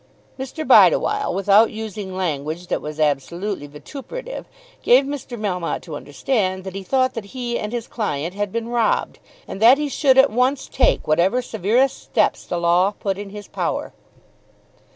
Mr. Bideawhile without using language that was absolutely vituperative gave Mr. Melmotte to understand that he thought that he and his client had been robbed, and that he should at once take whatever severest steps the law put in his power.